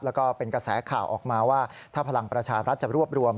แล้วก็เป็นกระแสข่าวออกมาว่าถ้าพลังประชารัฐจะรวบรวม